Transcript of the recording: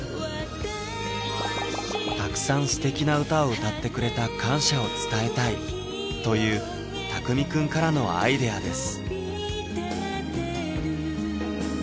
たくさん素敵な歌を歌ってくれた感謝を伝えたいというタクミくんからのアイデアです